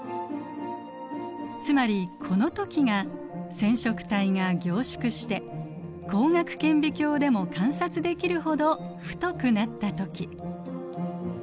つまりこの時が染色体が凝縮して光学顕微鏡でも観察できるほど太くなった時。